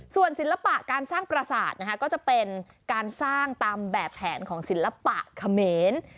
ส่วนศิลปะการสร้างประสาทนะคะก็จะเป็นการสร้างตามแบบแผนของศิลปะเขมร